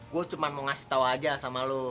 gua cuma mau ngasih tahu aja sama lu